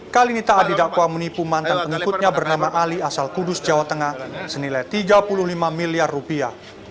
kali ini taat didakwa menipu mantan pengikutnya bernama ali asal kudus jawa tengah senilai tiga puluh lima miliar rupiah